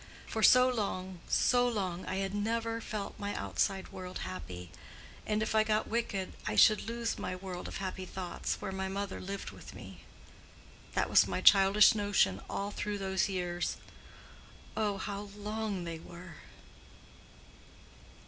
For so long, so long I had never felt my outside world happy; and if I got wicked I should lose my world of happy thoughts where my mother lived with me. That was my childish notion all through those years. Oh how long they were!"